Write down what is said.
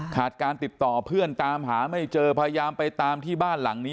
ขาดการติดต่อเพื่อนตามหาไม่เจอพยายามไปตามที่บ้านหลังนี้